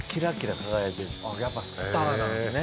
やっぱスターなんすね。